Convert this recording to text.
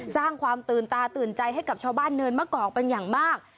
สร้างความตื่นตาตื่นใจให้กับชาวบ้านเนินมะกอกเป็นอย่างมาก